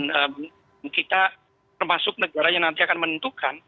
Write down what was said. dan kita termasuk negara yang nanti akan menentukan